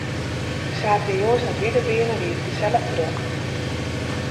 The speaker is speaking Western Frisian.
De saterdeitejûns dat wy der wiene, wie it gesellich drok.